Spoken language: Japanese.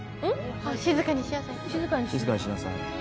静かにしなさい。